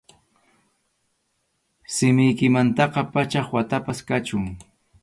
Simiykimantaqa pachak watapas kachun.